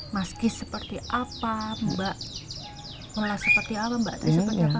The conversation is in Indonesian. mas kis seperti apa mbak olah seperti apa mbak tadi seperti apa